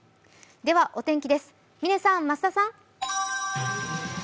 ではお天気です、嶺さん、増田さん。